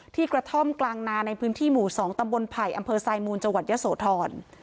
กระท่อมกลางนาในพื้นที่หมู่๒ตำบลไผ่อำเภอไซมูลจังหวัดยะโสธร